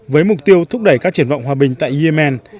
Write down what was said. với mục tiêu thúc đẩy các triển vọng hòa bình tại yemen